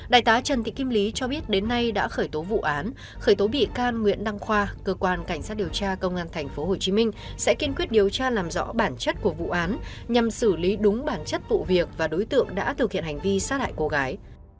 đại tá trần thị kim lý cho biết đến nay đã khởi tố vụ án khởi tố bị can nguyễn đăng khoa cơ quan cảnh sát điều tra công an tp hcm sẽ kiên quyết điều tra làm rõ bản chất của vụ án nhằm xử lý đúng bản chất vụ việc và đối tượng đã thực hiện hành vi sát hại cô gái